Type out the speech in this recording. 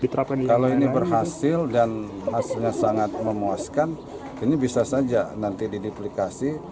kalau ini berhasil dan hasilnya sangat memuaskan ini bisa saja nanti didiplikasi